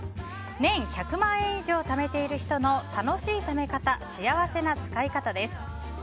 年１００万円以上貯めている人の楽しい貯め方幸せな使い方です。